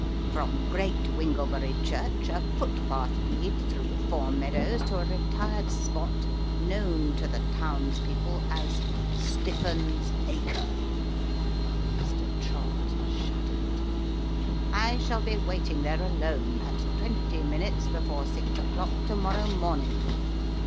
From Great Winglebury church, a footpath leads through four meadows to a retired spot known to the townspeople as Stiffun's Acre." [Mr. Trott shuddered.] " I shall be waiting there alone, at twenty minutes before six o'clock to morrow morning.